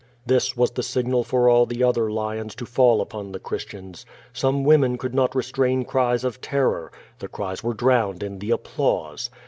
This was the signal for all the other lions to fall upon the Christians. Some women could not restrain cries of terror. The cries were drowned in the applause.